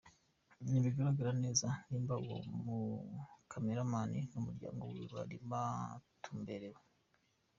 Ntibiragaragara neza nimba uwo mu cameraman n'umuryango wiwe bari batumbererwe.